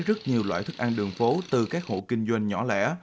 rất nhiều loại thức ăn đường phố từ các hộ kinh doanh nhỏ lẻ